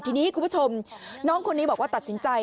ทีนี้คุณผู้ชมน้องคนนี้บอกว่าตัดสินใจ